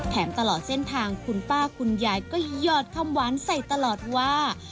ตลอดเส้นทางคุณป้าคุณยายก็หยอดคำหวานใส่ตลอดว่า